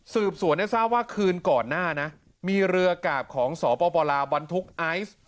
สืบสวนให้ทราบว่าคืนก่อนหน้านะมีเรือกาบของสปลาวบรรทุกไอซ์